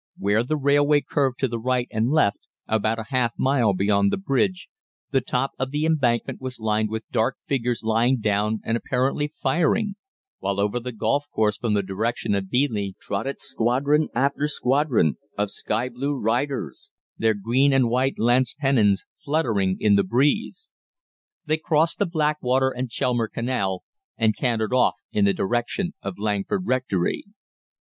Where the railway curved to the right and left, about half a mile beyond the bridge, the top of the embankment was lined with dark figures lying down and apparently firing, while over the golf course from the direction of Beeleigh trotted squadron after squadron of sky blue riders, their green and white lance pennons fluttering in the breeze. They crossed the Blackwater and Chelmer Canal, and cantered off in the direction of Langford Rectory.